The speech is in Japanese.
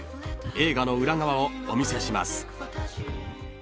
［映画の裏側をお見せします］